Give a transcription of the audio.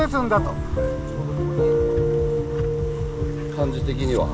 感じ的には。